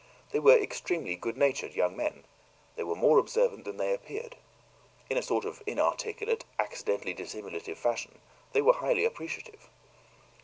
They were extremely good natured young men; they were more observant than they appeared; in a sort of inarticulate, accidentally dissimulative fashion, they were highly appreciative.